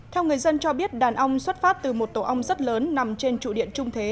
theo người dân cho biết đàn ong xuất phát từ một tổ ong rất lớn nằm trên trụ điện trung thế